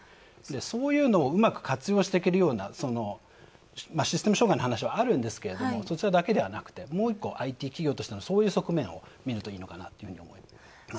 そういうのをうまく活用していけるようなシステム障害の話はあるんですけども、それ以外にももう一個、ＩＴ企業としてのそういう側面を見るといいのかなと思いますね。